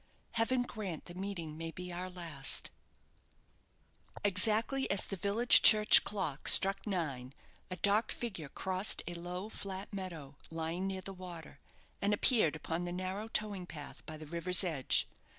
Heaven grant the meeting may be our last_!" Exactly as the village church clock struck nine, a dark figure crossed a low, flat meadow, lying near the water, and appeared upon the narrow towing path by the river's edge.